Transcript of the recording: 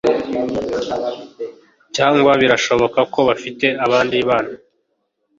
cyangwa birashoboka ko bafite abandi bana